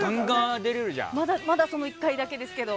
まだその１回だけですけど。